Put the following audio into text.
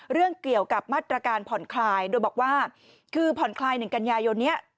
เรื่องเกี่ยวกับมาตรการผ่อนคลายโดยบอกว่าคือผ่อนคลาย๑กันยายนนี้